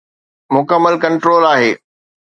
مڪمل ڪنٽرول آهي.